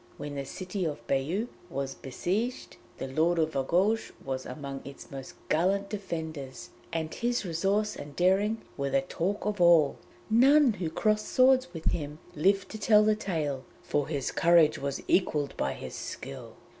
When the city of Bayeux was besieged, the Lord of Argouges was amongst its most gallant defenders, and his resource and daring were the talk of all. None who crossed swords with him lived to tell the tale, for his courage was equalled by his skill.